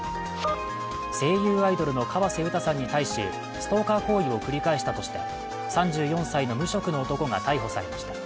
声優アイドルの河瀬詩さんに対しストーカー行為を繰り返したとして３４歳の無職の男が逮捕されました。